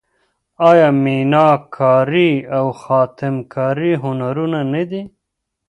آیا میناکاري او خاتم کاري هنرونه نه دي؟